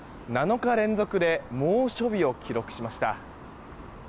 ７日連続で猛暑日を記録しました。